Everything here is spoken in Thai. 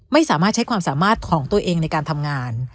ไม่สามารถใช้ความสามารถของตัวเองในการทำงาน